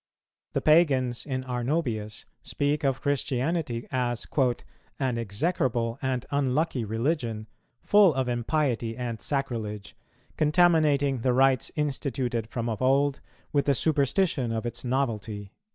The Pagans in Arnobius speak of Christianity as "an execrable and unlucky religion, full of impiety and sacrilege, contaminating the rites instituted from of old with the superstition of its novelty."